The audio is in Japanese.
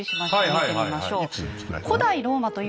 見てみましょう。